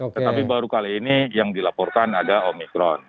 tetapi baru kali ini yang dilaporkan ada omikron